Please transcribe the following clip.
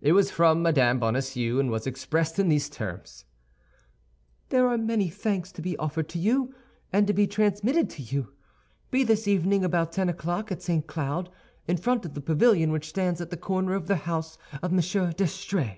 It was from Mme. Bonacieux, and was expressed in these terms: "There are many thanks to be offered to you, and to be transmitted to you. Be this evening about ten o'clock at St. Cloud, in front of the pavilion which stands at the corner of the house of M. d'Estrées.—C.